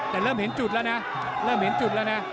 แต่เริ่มเห็นจุดแล้วนะเริ่มเห็นจุดแล้วนะ